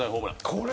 これ！